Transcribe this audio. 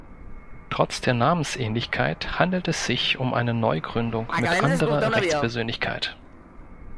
Trotz der Namensähnlichkeit handelt es sich um eine Neugründung mit anderer Rechtspersönlichkeit.